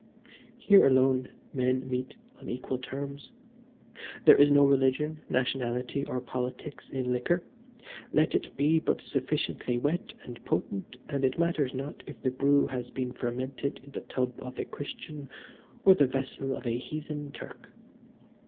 Here alone men meet on equal terms. There is no religion, nationality or politics in liquor: let it be but sufficiently wet and potent and it matters not if the brew has been fermented in the tub of a Christian or the vessel of a heathen Turk.